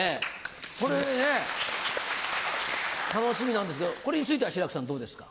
これね楽しみなんですけどこれについては志らくさんどうですか？